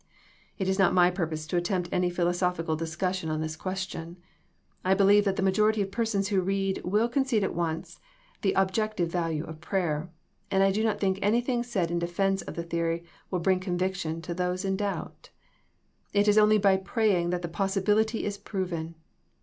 It is not my purpose to attempt any philosophical discussion on this question. I believe that the majority of persons who read will concede at once the objective value of prayer, and I do not think anything said in defense of the theory will bring conviction to those in doubt. It is only by praying that the possibility is proven.